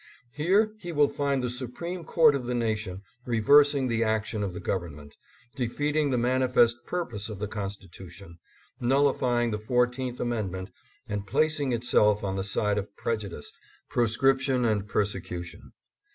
Here he will find the Supreme Court of the nation revers ing the action of the Government, defeating the manifest purpose of the Constitution, nullifying the Fourteenth Amendment, and placing itself on the side of prejudice, proscription, and persecution.